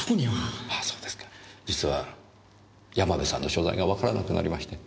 実は山部さんの所在がわからなくなりまして。